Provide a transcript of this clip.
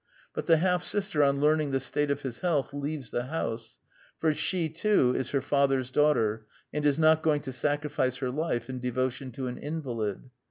But the half sister, on learning the state of his health, leaves the house; for she, too, is her father's daughter, and is not going to sacrifice her life in devotion to an invalid.